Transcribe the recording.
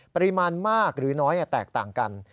ปริมาณมากหรือน้อยแตกต่างกัน